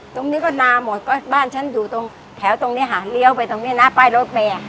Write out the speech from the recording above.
ตรงนี้ก็นาหมดก็บ้านฉันอยู่ตรงแถวตรงนี้ค่ะเลี้ยวไปตรงนี้นะป้ายรถเมย์